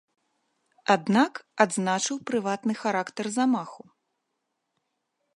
Аднак, адзначыў прыватны характар замаху.